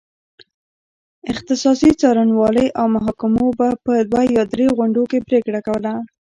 اختصاصي څارنوالۍ او محاکمو به په دوه یا درې غونډو کې پرېکړه کوله.